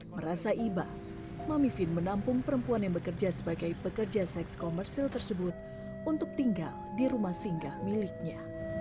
merasa iba mami vin menampung perempuan yang bekerja sebagai pekerja seks komersil tersebut untuk tinggal di rumah singgah miliknya